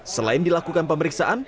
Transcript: selain dilakukan pemeriksaan